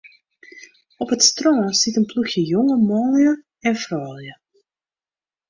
Op it strân siet in ploechje jonge manlju en froulju.